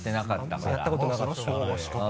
そうやったことなかったから。